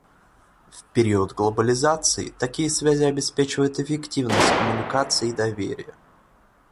В период глобализации такие связи обеспечивают эффективность коммуникаций и доверие.